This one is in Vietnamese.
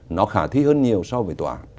nó khả thi hơn nhiều so với tòa